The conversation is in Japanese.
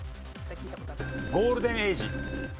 ゴールデンエイジ。